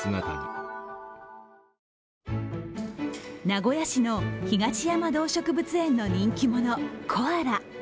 名古屋市の東山動植物園の人気者、コアラ。